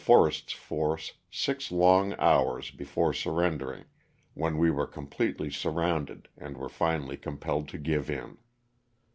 Forrest's force six long hours before surrendering, when we were completely surrounded and were finally com pelled to give in.